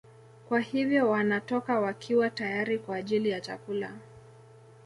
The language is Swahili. Kwa hiyo wanatoka wakiwa tayari kwa ajili ya chakula